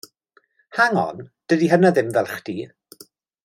Hang on, dydi hynna ddim fel chdi.